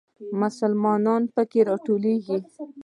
مسلمانان په کې راټولېږي.